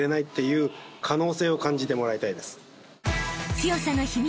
［強さの秘密